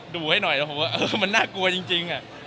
ดูให้หน่อยแล้วผมว่าเออมันน่ากลัวจริง